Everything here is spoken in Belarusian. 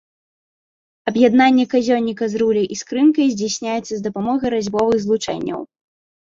Аб'яднанне казённіка з руляй і скрынкай здзяйсняецца з дапамогай разьбовых злучэнняў.